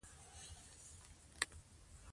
موږ باید زړه سوانده اوسو.